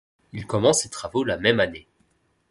Il commence les travaux la même année.